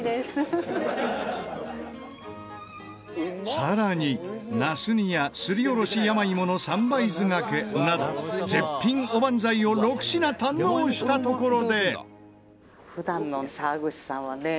更になす煮やすりおろし山芋の三杯酢がけなど絶品おばんざいを６品堪能したところで。